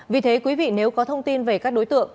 vì thế quý vị nếu có thông tin về các đối tượng